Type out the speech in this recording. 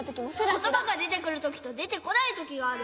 ことばがでてくるときとでてこないときがあるんだ！